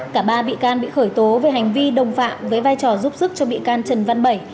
cả ba bị can bị khởi tố về hành vi đồng phạm với vai trò giúp sức cho bị can trần văn bảy